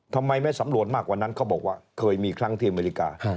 ทำไมไม่สำรวจมากกว่านั้นเขาบอกว่าเคยมีครั้งที่อเมริกา